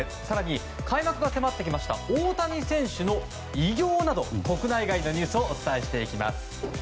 更に開幕が迫ってきました大谷選手の偉業など国内外のニュースをお伝えしていきます。